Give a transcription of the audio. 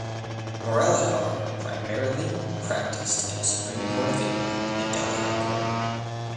Muralidhar primarily practiced in the Supreme Court of India and the Delhi High Court.